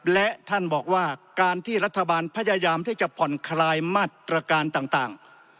และท่านบอกว่าการที่รัฐบาลพยายามที่จะผ่อนคลายมาตรการต่าง